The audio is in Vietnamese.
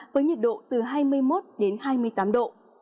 với nhiệt độ từ hai mươi một đến hai mươi tám độ